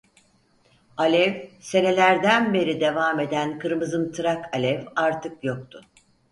Alev, senelerden beri devam eden kırmızımtırak alev artık yoktu.